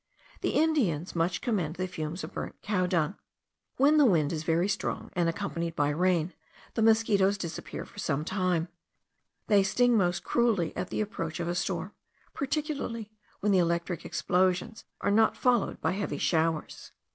The Indians much commend the fumes of burnt cow dung. When the wind is very strong, and accompanied by rain, the mosquitos disappear for some time: they sting most cruelly at the approach of a storm, particularly when the electric explosions are not followed by heavy showers.